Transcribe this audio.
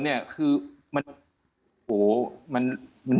โหมัน